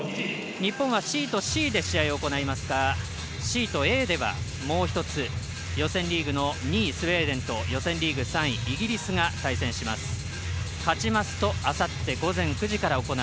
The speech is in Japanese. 日本はシートＣで試合を行いますからシートＡでは、もう一つ予選リーグの２位スウェーデンと予選リーグ３位イギリスが対戦します。